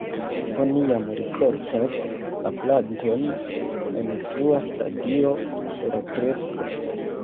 Oni jam rikoltas la planton en frua stadio de la kresko.